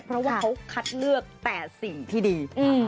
เพราะว่าเขาคัดเลือกแต่สิ่งที่ดี